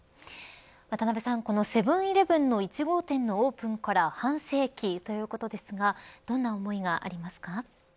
渡辺さん、このセブン‐イレブンの１号店のオープンから半世紀ということですがどんな思いがありますか。